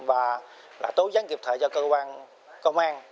và tố gián kịp thời cho cơ quan công an